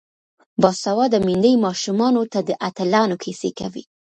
باسواده میندې ماشومانو ته د اتلانو کیسې کوي.